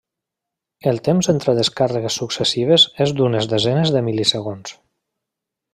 El temps entre descàrregues successives és d’unes desenes de mil·lisegons.